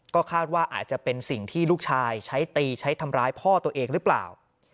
ก็คาดว่าอาจจะเป็นสิ่งที่ลูกชายใช้ตีใช้ทำร้ายพ่อตัวเองหรือเปล่า